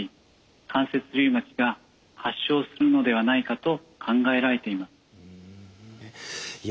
関節リウマチが発症するのではないかと考えられています。